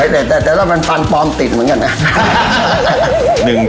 แต่ว่ามันฟันปลอมติดเหมือนกันนะ